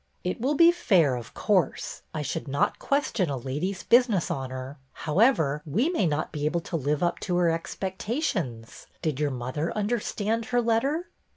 " It will be fair, of course. I should not ques tion a lady's business honor. However, we may not be able to live up to her expectations. Did your mother understand her letter?"